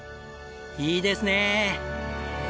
いいですねえ！